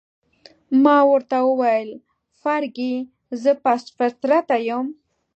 ما ورته وویل: فرګي، زه پست فطرته یم؟